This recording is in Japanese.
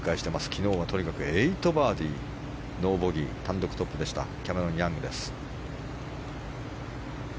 昨日はとにかく８バーディー、ノーボギーで単独トップでしたキャメロン・ヤングです。